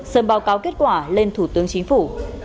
sớm báo cáo kết quả lên thủ tướng chính phủ